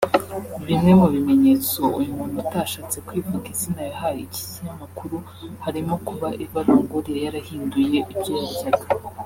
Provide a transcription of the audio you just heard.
Bimwe mu bimenyetso uyu muntu utashatse kwivuga izina yahaye iki kinyamakuru harimo kuba Eva Longoria yarahinduye ibyo yaryaga